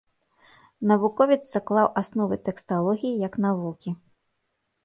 Навуковец заклаў асновы тэксталогіі як навукі.